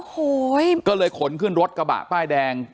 โอ้โหก็เลยขนขึ้นรถกระบะป้ายแดง